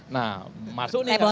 nah masuk nih barang